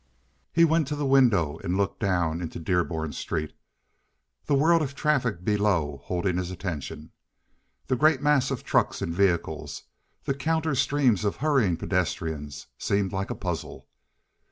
He went to the window and looked down into Dearborn Street, the world of traffic below holding his attention. The great mass of trucks and vehicles, the counter streams of hurrying pedestrians, seemed like a puzzle.